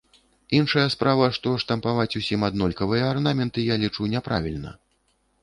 Іншая справа, што штампаваць усім аднолькавыя арнаменты, я лічу, няправільна.